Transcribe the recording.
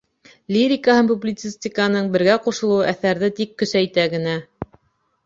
Лирика һәм публицистиканың бергә ҡушылыуы әҫәрҙе тик көсәйтә генә.